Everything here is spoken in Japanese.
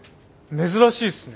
珍しいすね。